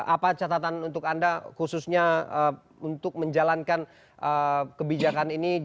apa catatan untuk anda khususnya untuk menjalankan kebijakan ini